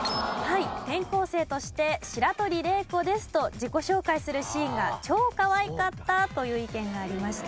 「転校生として“白鳥麗子です”と自己紹介するシーンが超かわいかった」という意見がありました。